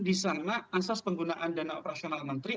di sana asas penggunaan dana operasional menteri